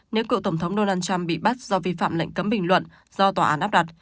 nếu cựu tổng thống donald trump bị bắt do vi phạm lệnh cấm bình luận do tòa án áp đặt